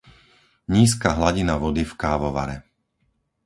Nízka hladina vody v kávovare.